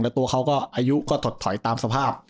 แล้วตัวเขาก็อายุก็ถดถอยตามสภาพ